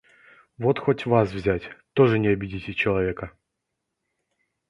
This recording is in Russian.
Вот хоть вас взять, тоже не обидите человека...